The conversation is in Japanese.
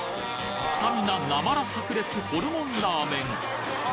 スタミナなまら炸裂ホルモンラーメン